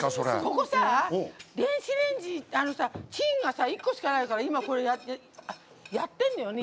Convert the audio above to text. ここさ、電子レンジチンが１個しかないから今、やってんのよね。